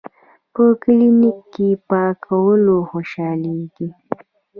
پۀ کلینک پاکولو خوشالیږي ـ